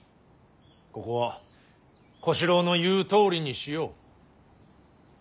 ここは小四郎の言うとおりにしよう。